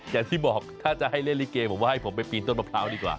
อย่างที่บอกถ้าจะให้เล่นลิเกผมว่าให้ผมไปปีนต้นมะพร้าวดีกว่า